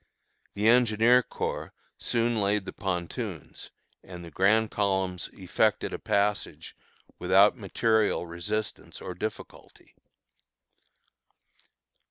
The Engineer Corps soon laid the pontoons, and the grand columns effected a passage without material resistance or difficulty.